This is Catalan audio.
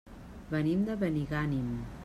Venim de Benigànim.